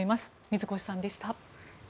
水越さんでした。